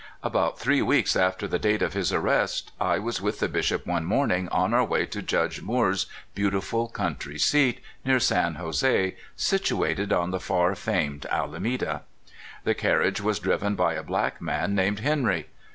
About three weeks after the date of his arrest, I was with the Bishop one morning on our way to Judge Moore's beautiful country seat, near San Jose, situated on the far famed Alameda. The carriage was driven by a black man named Hen ry.